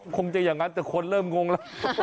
คงจะอย่างนั้นแต่คนเริ่มงงแล้ว